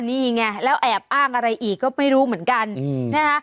นี่ไงแล้วแอบอ้างอะไรอีกก็ไม่รู้เหมือนกันนะคะ